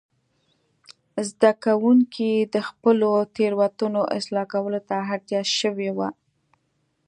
زده کوونکي د خپلو تېروتنو اصلاح کولو ته اړ شوي وو.